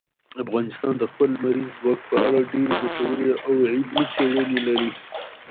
افغانستان د خپل لمریز ځواک په اړه ډېرې ګټورې او علمي څېړنې لري.